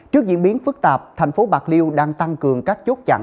trước diễn biến phức tạp thành phố bạc liêu đang tăng cường các chốt chặn